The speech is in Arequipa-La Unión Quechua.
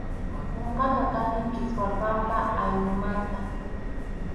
Ñuqaqa kani Kiswarpampa ayllumanta.